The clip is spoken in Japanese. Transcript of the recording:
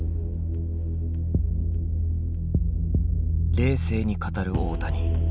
冷静に語る大谷。